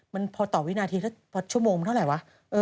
มันพอต่อวินาทีชั่วโมงเท่าไหร่วะ